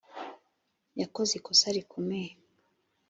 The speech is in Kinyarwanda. yakoze ikosa rikomeye